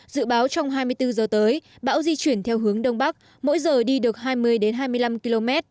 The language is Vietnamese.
dự báo trong hai mươi bốn giờ tới bão di chuyển theo hướng đông bắc mỗi giờ đi được hai mươi hai mươi năm km